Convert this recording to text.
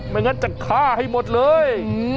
ไม่งั้นจะฆ่าให้หมดเลย